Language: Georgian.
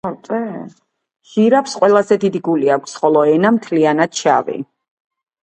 ჟირაფს ყველაზე დიდი გული აქვს, ხოლო ენა – მთლიანად შავი.